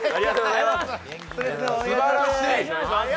すばらしい！